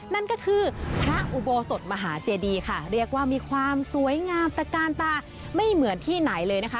นั่นก็คือพระอุโบสถมหาเจดีค่ะเรียกว่ามีความสวยงามตะกานตาไม่เหมือนที่ไหนเลยนะคะ